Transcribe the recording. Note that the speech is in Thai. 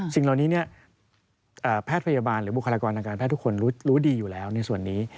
สิ่งเหล่านี้แพทย์พยาบาลหรือบุคลากรทางการแพทย์ทุกคนรู้ดีอยู่แล้วในส่วนนี้